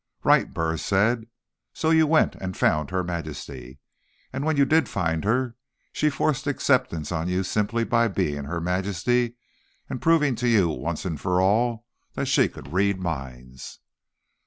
"Right," Burris said. "So you went and found Her Majesty. And, when you did find her, she forced acceptance on you simply by being Her Majesty and proving to you, once and for all, that she could read minds."